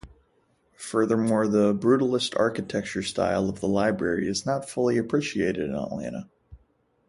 Furthermore, the brutalist architectural style of the library is not fully appreciated in Atlanta.